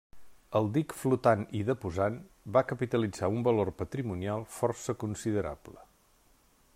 El Dic Flotant i Deposant va capitalitzar un valor patrimonial força considerable.